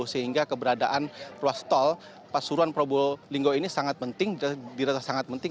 dua puluh sehingga keberadaan ruas tol pasuran probolinggo ini sangat penting dirata sangat penting